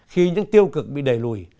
khi những tiêu cực bị đẩy lùi